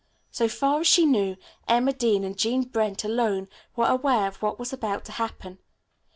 So far as she knew, Emma Dean and Jean Brent, alone, were aware of what was about to happen.